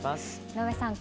井上さん